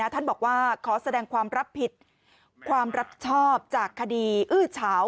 ท่านบอกว่าขอแสดงความรับผิดความรับชอบจากคดีอื้อเฉา